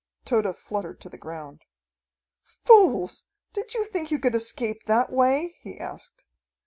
Tode fluttered to the ground. "Fools, did you think you could escape that way?" he asked.